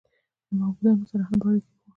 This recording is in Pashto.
له معبودانو سره هم په اړیکه کې و.